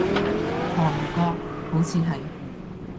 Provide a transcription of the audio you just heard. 韓國，好似係